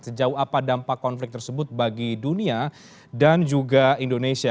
sejauh apa dampak konflik tersebut bagi dunia dan juga indonesia